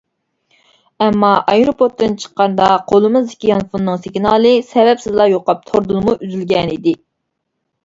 ئەمما ئايروپورتتىن چىققاندا قولىمىزدىكى يانفوننىڭ سىگنالى سەۋەبسىزلا يوقاپ توردىنمۇ ئۈزۈلگەنىدى.